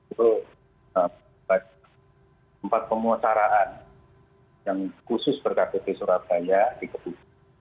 itu empat pemulaparaan yang khusus berkaitan surabaya di keputusan